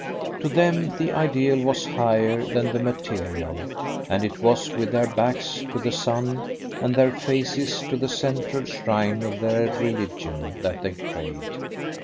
To them the ideal was higher than the material, and it was with their backs to the sun and their faces to the central shrine of their religion that they prayed.